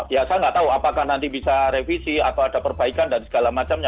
ya saya nggak tahu apakah nanti bisa revisi atau ada perbaikan dan segala macamnya